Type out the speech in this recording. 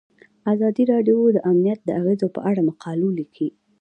ازادي راډیو د امنیت د اغیزو په اړه مقالو لیکلي.